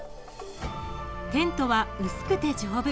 テントは薄くて丈夫。